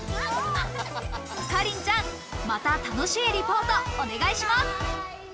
かりんちゃん、また楽しいリポートをお願いします。